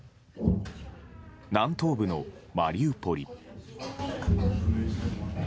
南東部のマリウポリ。